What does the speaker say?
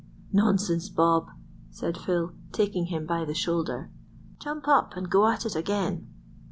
"Nonsense, Bob," said Phil, taking him by the shoulder. "Jump up and go at it again."